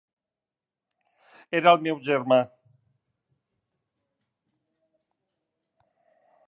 Era el meu germà.